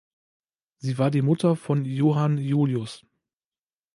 Sie war die Mutter von Johann Julius.